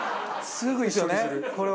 すぐ一生にする。